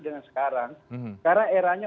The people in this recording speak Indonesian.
dengan sekarang karena eranya